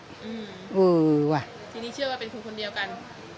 ทีนี้เชื่อว่าเป็นคนเดียวกัน